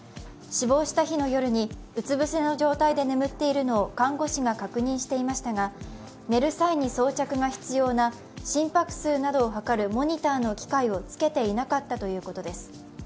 死亡した日の夜に、うつ伏せの状態で眠っているのを看護師が確認していましたが、寝る際に装着が必要な心拍数などをはかるモニターの機械をつけていなかったということです。